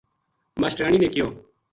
ماشٹریانی نے کہیو